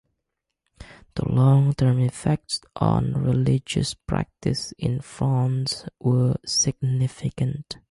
The long-term effects on religious practice in France were significant.